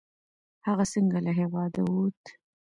هغه څنګه له هیواده ووت؟